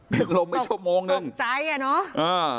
เป็นลมไปชั่วโมงหนึ่งตกตกใจอ่ะเนอะอ่า